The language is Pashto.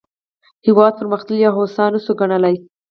هېواد پرمختللی او هوسا نه شو ګڼلای.